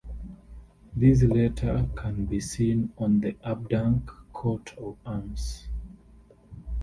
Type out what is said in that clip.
This letter can be seen on the Abdank coat of arms.